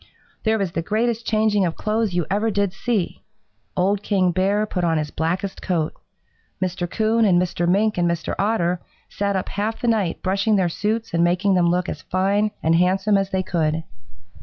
"There was the greatest changing of clothes you ever did see. Old King Bear put on his blackest coat. Mr. Coon and Mr. Mink and Mr. Otter sat up half the night brushing their suits and making them look as fine and handsome as they could.